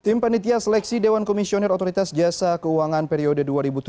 tim panitia seleksi dewan komisioner otoritas jasa keuangan periode dua ribu tujuh belas dua ribu dua